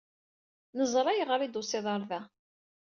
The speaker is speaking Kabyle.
Neẓṛa ayɣer i ttusiḍed ɣer da.